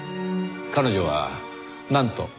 彼女はなんと？